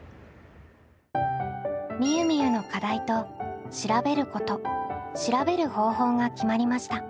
みゆみゆの課題と「調べること」「調べる方法」が決まりました。